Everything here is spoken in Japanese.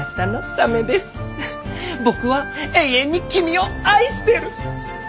僕は永遠に君を愛してる！